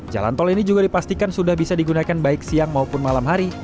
jalan tol ini juga dipastikan sudah bisa digunakan baik siang maupun malam hari